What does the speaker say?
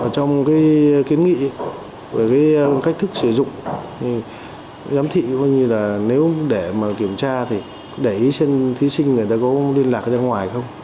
trong kiến nghị về cách thức sử dụng giám thị có như là nếu để mà kiểm tra thì để ý trên thí sinh người ta có liên lạc ra ngoài không